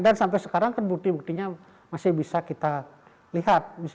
dan sampai sekarang kan bukti buktinya masih bisa kita lihat